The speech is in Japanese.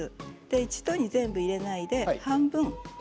一度に全部入れないで半分。